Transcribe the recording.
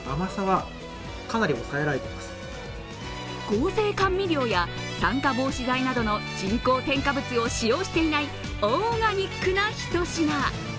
合成甘味料や酸化防止剤などの人工添加物を使用していないオーガニックな一品。